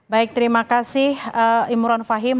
baik terima kasih imron fahim